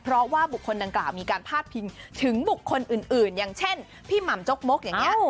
เพราะว่าบุคคลดังกล่าวมีการพาดพิงถึงบุคคลอื่นอย่างเช่นพี่หม่ำจกมกอย่างนี้